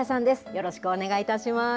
よろしくお願いします。